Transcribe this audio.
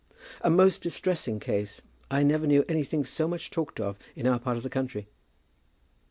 "A most distressing case. I never knew anything so much talked of in our part of the country."